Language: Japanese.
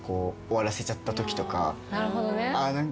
なるほどね。